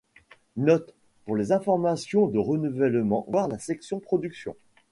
Note : Pour les informations de renouvellement voir la section Production.